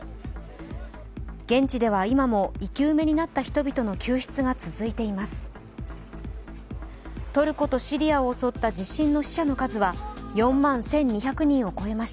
現地では今も生き埋めになった人々の救出が続いています。